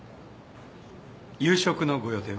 夕食のご予定は？